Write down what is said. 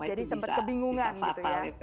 jadi sempat kebingungan gitu ya